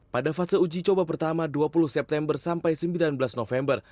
pada fase uji coba pertama dua puluh september sampai sembilan belas november